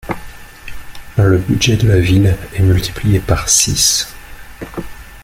Le budget de la ville est multiplié par six.